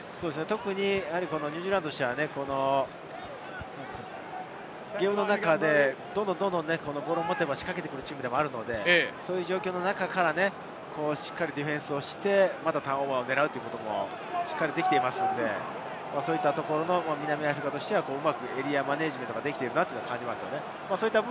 特にニュージーランドとしてはゲームの中で、どんどんボールを持てば仕掛けてくるチームなので、そういう状況の中から、しっかりディフェンスしてターンオーバーを狙うということもできていますので、南アフリカとしてはうまくエリアマネジメントができているという感じがします。